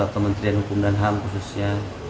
kementerian hukum dan ham khususnya